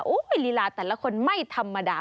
ลีลาแต่ละคนไม่ธรรมดา